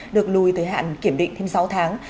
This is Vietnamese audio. được lùi thời hạn kiểm định thêm sáu tháng